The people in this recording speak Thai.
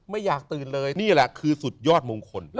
ไม่อยากตื่นเลยนี่แหละคือสุดยอดมงคล